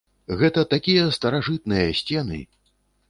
Гэта такія старажытныя сцены!